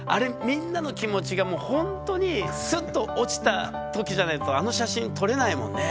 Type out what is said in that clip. みんなの気持ちがほんとにスッと落ちた時じゃないとあの写真撮れないもんね。